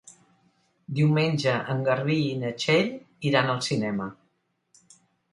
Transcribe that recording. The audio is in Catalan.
Diumenge en Garbí i na Txell iran al cinema.